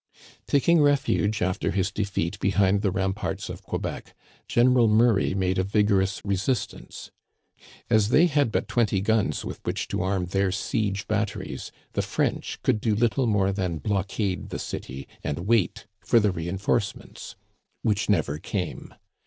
Taking refuge after his defeat behind the ramparts of Quebec, General Murray made a vigorous resistance. As they had but twenty guns with which to arm their siege batteries, the French could do little more than blockade the city and wait for the re enforcements which, never came.